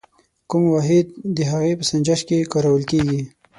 کوم واحد د هغې په سنجش کې کارول کیږي؟